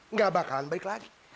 nggak bakalan balik lagi